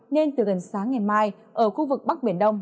nên từ gần sáng ngày mai ở khu vực bắc biển đông